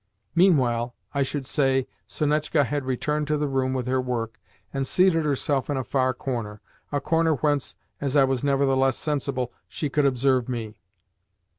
Meanwhile, I should say, Sonetchka had returned to the room with her work, and seated herself in a far corner a corner whence, as I was nevertheless sensible, she could observe me.